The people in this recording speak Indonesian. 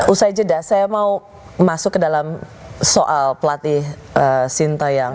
usai jeda saya mau masuk ke dalam soal pelatih sintayang